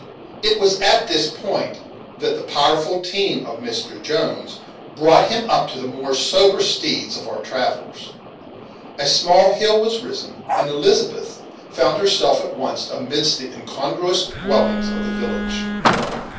It was at this point that the powerful team of Mr. Jones brought him up to the more sober steeds of our travellers. A small hill was risen, and Elizabeth found herself at once amidst the incongruous dwellings of the village.